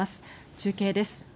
中継です。